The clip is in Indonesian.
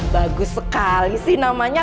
bagus sekali sih namanya